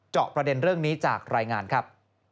ประเด็นเรื่องนี้จากรายงานครับ